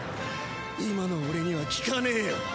今の俺には効かねえよ。